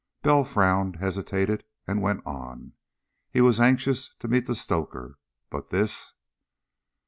Bell frowned, hesitated, and went on. He was anxious to meet the stoker, but this....